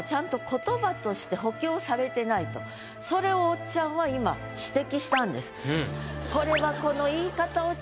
ただそれをおっちゃんは今指摘したんです。